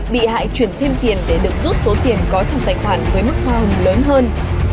bị hại chuyển thêm tiền để được rút số tiền có trong tài khoản với mức hoa hồng lớn hơn